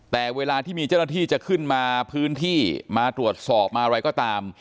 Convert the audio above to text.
แต่เวลาที่มีเจ้าหน้าที่จะขึ้นมาพื้นที่มาตรวจสอบมาอะไรก็ตาม